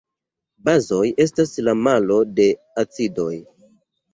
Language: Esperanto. Bazoj estas la malo de acidoj.